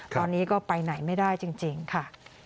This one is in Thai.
ตอนนี้ก็ไปไหนไม่ได้จริงค่ะ